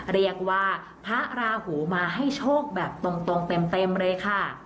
เรียกว่าพระราหูมาให้โชคแบบตรงเต็มเลยค่ะ